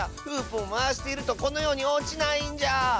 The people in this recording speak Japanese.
フープもまわしているとこのようにおちないんじゃ！